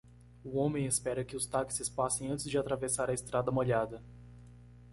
O homem espera que os táxis passem antes de atravessar a estrada molhada